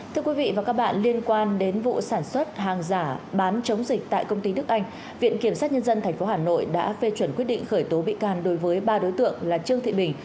thưa quý vị và các bạn liên quan đến vụ sản xuất hàng giả bán chống dịch tại công ty đức anh viện kiểm sát nhân dân tp hà nội đã phê chuẩn quyết định khởi tố bị can đối với ba đối tượng là trương thị bình